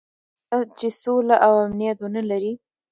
آیا چې سوله او امنیت ونلري؟